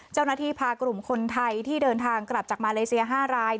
เจ้าหน้าที่พากลุ่มคนไทยที่เดินทางกลับจากมาเลเซีย๕ราย